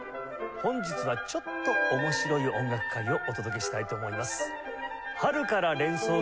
本日はちょっと面白い音楽会をお届けしたいと思います。